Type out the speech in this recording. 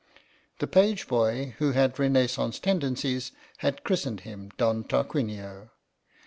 The page boy, who had Renaissance tendencies, had christened him Don Tarquinio.